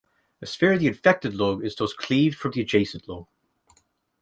A sphere of the infected lung is thus cleaved from the adjacent lung.